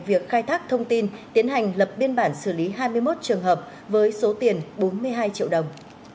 việc khai thác thông tin tiến hành lập biên bản xử lý hai mươi một trường hợp với số tiền bốn mươi hai triệu đồng